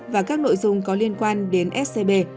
và các nội dung có liên quan đến scb